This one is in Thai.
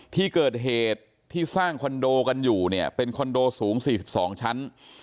ที่เกิดเหตุที่สร้างคอนโดกันอยู่เนี่ยเป็นคอนโดสูง๔๒ชั้น